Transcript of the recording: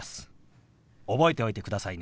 覚えておいてくださいね。